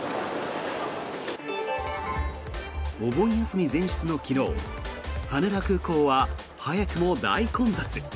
お盆休み前日の昨日羽田空港は早くも大混雑。